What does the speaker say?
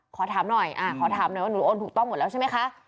ขอถามหน่อยว่าหนูโอนถูกต้องหมดแล้วใช่มั้ยคะ